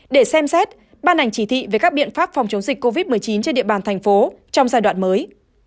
để xem xét ban hành chỉ thị về các biện pháp phòng chống dịch covid một mươi chín trên địa bàn thành phố trong giai đoạn mới